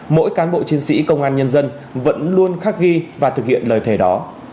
mỗi cán bộ chiến sĩ công an nhân dân vẫn luôn khắc ghi và thực hiện lời thề đó